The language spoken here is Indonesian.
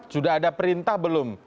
sudah ada perintah belum